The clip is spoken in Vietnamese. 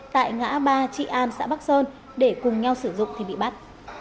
tại ngã ba trị an xã bắc sơn để cùng nhau sử dụng thì bị bắt